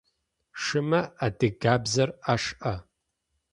Шымэ адыгабзэр ашӏэ.